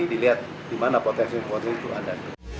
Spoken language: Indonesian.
dilihat di mana proteksi untuk itu ada